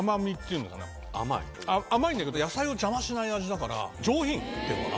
甘いんだけど野菜を邪魔しない味だから上品っていうのかな。